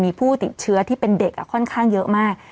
มีผู้ติดเชื้อที่เป็นเด็กค่อนข้างเยอะมาก